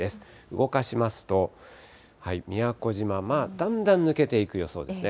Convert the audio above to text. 動かしますと、宮古島、だんだん抜けていく予想ですね。